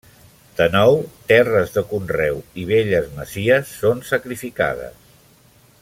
De nou, terres de conreu i velles masies són sacrificades.